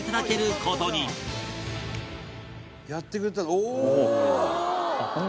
「やってくれたの？